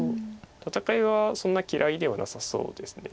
戦いはそんな嫌いではなさそうです。